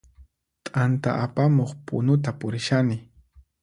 T'anta apamuq punuta purishani